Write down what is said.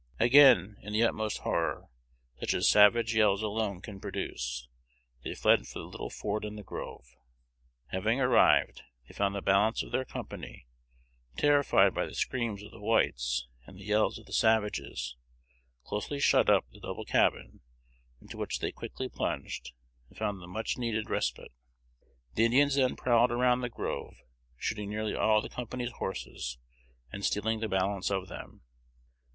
Again, in the utmost horror, such as savage yells alone can produce, they fled for the little fort in the grove. Having arrived, they found the balance of their company, terrified by the screams of the whites and the yells of the savages, closely shut up in the double cabin, into which they quickly plunged, and found the much needed respite. The Indians then prowled around the grove, shooting nearly all the company's horses, and stealing the balance of them.